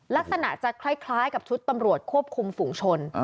ลักษณะจะคล้ายกับชุดตำรวจควบคุมฝูงชน